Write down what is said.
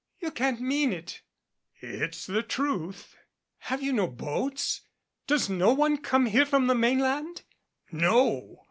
"You can't mean it !" "It's the truth." "Have you no boats ? Does no one come here from the mainland?" "No.